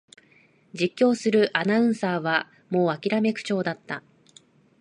実況するアナウンサーはもうあきらめた口調だった